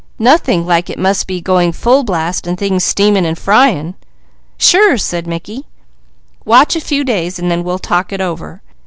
Nothing like it must be going full blast, and things steaming and frying!" "Sure!" said Mickey. "Watch a few days, and then we'll talk it over.